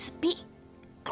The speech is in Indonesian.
sampai jumpa lagi